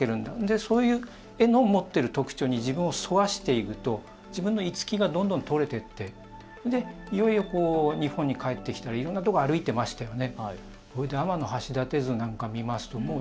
そういう絵の持っている特徴に自分をそわしていくと自分の居着きがどんどん取れていってそれでいよいよ日本に帰ってきたりいろんなところを歩いていましたよね。